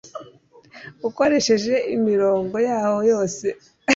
ukoresheje imirongo, yaho yose